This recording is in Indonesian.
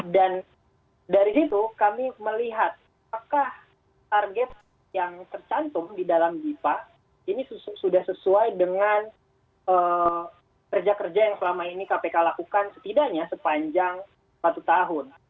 dan dari situ kami melihat apakah target yang tercantum di dalam dipa ini sudah sesuai dengan kerja kerja yang selama ini kpk lakukan setidaknya sepanjang satu tahun